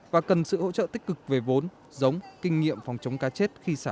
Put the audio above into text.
và cần sự hỗ trợ tích cực về vốn giống kinh nghiệm phòng chống cá chết